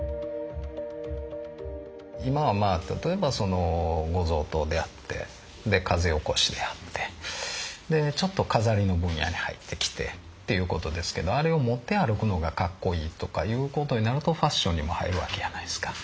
今は例えばご贈答であって風起こしであってでちょっと飾りの分野に入ってきてっていう事ですけどあれを持って歩くのがかっこいいとかいう事になるとファッションにも入る訳やないですか。